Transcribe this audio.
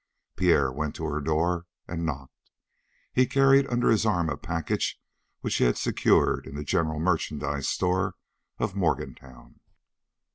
Pierre went to her door and knocked. He carried under his arm a package which he had secured in the General Merchandise Store of Morgantown.